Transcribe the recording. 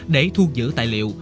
để thu giữ tài liệu